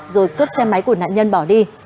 rồi cướp xe máy của nạn nhân bỏ đi